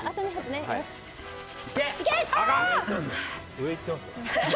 上、行ってますよ。